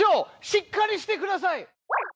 しっかりしてください！